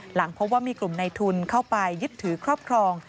หลังพบว่ามีกลุ่มในทุนเข้าไปยึดถือครอบครอง